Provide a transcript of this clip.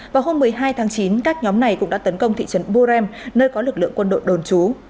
vào hôm một mươi hai tháng chín các nhóm này cũng đã tấn công thị trấn burem nơi có lực lượng quân đội đồn trú